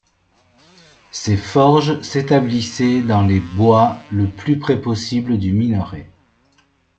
Ces forges s'établissaient dans les bois le plus près possible du minerai.